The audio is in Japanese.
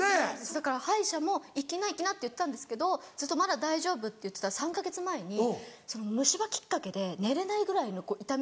だから歯医者も「行きな行きな」って言ってたんですけどずっと「まだ大丈夫」って言ったら３か月前に虫歯きっかけで寝れないぐらいの痛み。